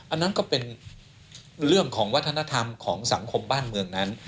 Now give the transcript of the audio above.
อันนั้นก็เป็นเรื่องของวัฒนธรรมของสังคมบ้านเมืองนั้น